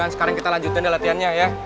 sekarang kita lanjutin latihannya ya